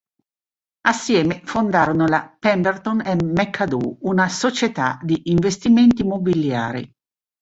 Assieme fondarono la "Pemberton and McAdoo", una società di investimenti mobiliari.